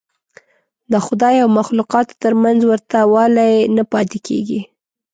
د خدای او مخلوقاتو تر منځ ورته والی نه پاتې کېږي.